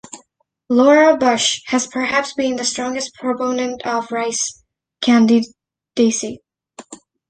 Laura Bush has perhaps been the strongest proponent of Rice's candidacy.